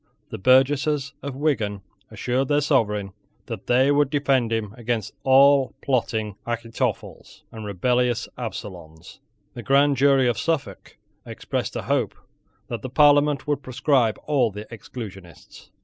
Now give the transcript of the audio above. The burgesses of Wigan assured their sovereign that they would defend him against all plotting Achitophels and rebellions Absaloms. The grand jury of Suffolk expressed a hope that the Parliament would proscribe all the exclusionists.